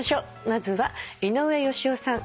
まずは井上芳雄さん